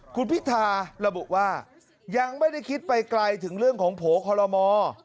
คุณพิธาระบุว่ายังไม่ได้คิดไปไกลถึงเรื่องของโผล่คอลโลมอร์